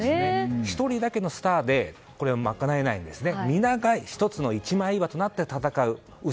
１人だけのスターでこれをまかなえないんですね。